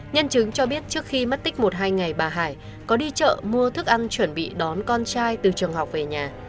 nhân chứng cho biết trước khi mất tích một hai ngày bà hải có đi chợ mua thức ăn chuẩn bị đón con trai từ trường học về nhà